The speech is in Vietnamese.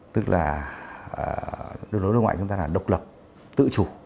tức là đối với đối ngoại chúng ta là độc lập tự chủ